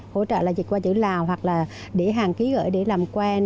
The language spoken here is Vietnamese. hỗ trợ là chỉ qua chữ lào hoặc là để hàng ký gửi để làm quen